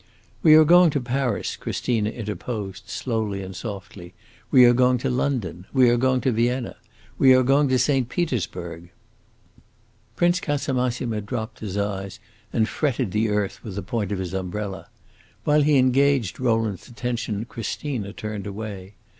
"We are going to Paris," Christina interposed, slowly and softly. "We are going to London. We are going to Vienna. We are going to St. Petersburg." Prince Casamassima dropped his eyes and fretted the earth with the point of his umbrella. While he engaged Rowland's attention Christina turned away.